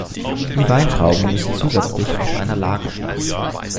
Die Weintrauben müssen zusätzlich aus einer Lage stammen.